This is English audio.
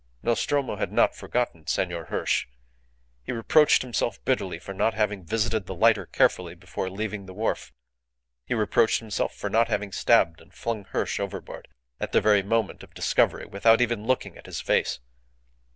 Nostromo had not forgotten Senor Hirsch. He reproached himself bitterly for not having visited the lighter carefully before leaving the wharf. He reproached himself for not having stabbed and flung Hirsch overboard at the very moment of discovery without even looking at his face.